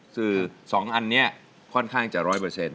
คือ๒อันนี้ค่อนข้างจะร้อยเปอร์เซ็น